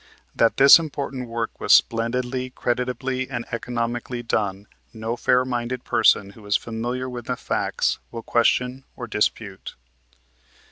That this important work was splendidly, creditably, and economically done no fair minded person who is familiar with the facts will question or dispute.